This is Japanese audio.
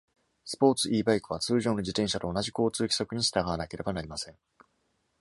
スポーツ E- バイクは、通常の自転車と同じ交通規則に従わなければなりません。